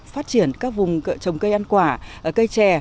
phát triển các vùng trồng cây ăn quả cây trè